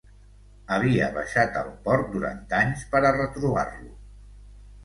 Havia baixat al port durant anys per a retrobar-lo.